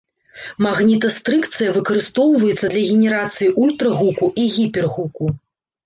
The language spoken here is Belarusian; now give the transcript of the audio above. Магнітастрыкцыя выкарыстоўваецца для генерацыі ультрагуку і гіпергуку.